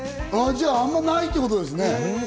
じゃ、あんまないってことですね。